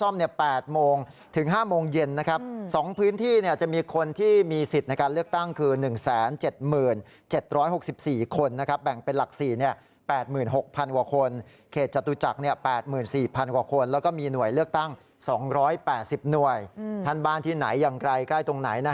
บ้านที่ไหนอย่างไกลใกล้ตรงไหนนะฮะ